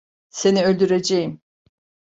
Seni öldüreceğim.